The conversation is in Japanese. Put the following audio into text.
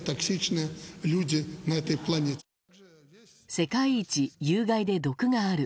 世界一有害で毒がある。